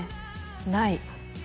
ない